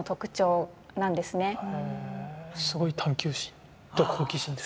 すごい探求心と好奇心ですか。